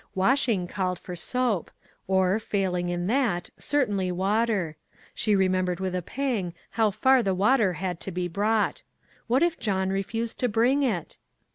Washing called for soap, or, failing in that, certainly water. She remembered with a pang how far the water had to be brought. What if John refused to bring it